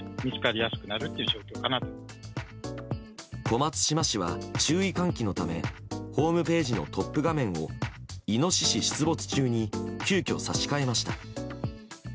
小松島市は注意喚起のためホームページのトップ画面を「イノシシ出没中」に急きょ差し替えました。